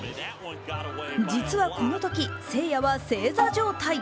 実はこのとき、誠也は正座状態。